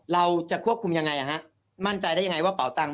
เราจะควบคุมยังไงมั่นใจได้ยังไงว่าเป่าตังค